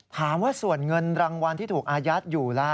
ถามว่าส่วนเงินรางวัลที่ถูกอายัดอยู่ล่ะ